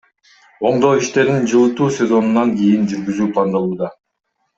Оңдоо иштерин жылытуу сезонунан кийин жүргүзүү пландалууда.